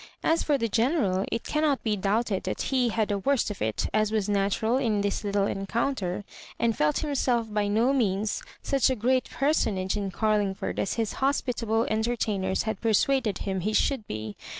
As for the General, it cannot be doubted that he had the worst of it, as was natural, in this little encounter, and felt himself by no means such a great personage in Carlingford as his hospitable entertainers had persuaded him he should be.